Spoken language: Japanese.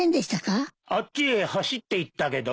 あっちへ走っていったけど。